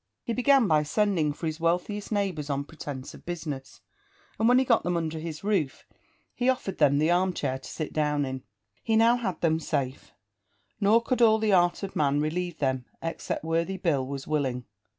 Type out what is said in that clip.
He began by sending for his wealthiest neighbours on pretence of business; and when he got them under his roof, he offered them the arm chair to sit down in. He now had them safe, nor could all the art of man relieve them except worthy Bill was willing.